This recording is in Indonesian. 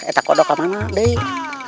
eta kodok apa mana deh